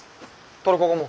トルコ語も。